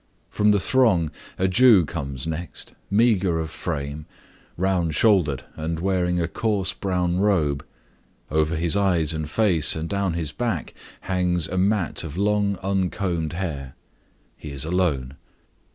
From the throng a Jew comes next, meager of frame, round shouldered, and wearing a coarse brown robe; over his eyes and face, and down his back, hangs a mat of long, uncombed hair. He is alone.